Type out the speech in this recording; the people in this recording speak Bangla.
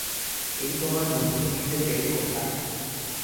এই তোমার নতুন বিদ্যে পেলে কোথায়?